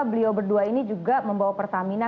beliau berdua ini juga membawa pertamina